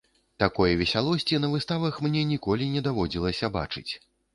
Такой весялосці на выставах мне ніколі не даводзілася бачыць.